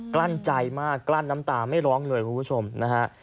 ลั้นใจมากกลั้นน้ำตาไม่ร้องเลยคุณผู้ชมนะฮะ